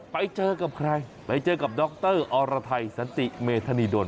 ไปเจอกับใครไปเจอกับดรอรไทยสันติเมธานีดล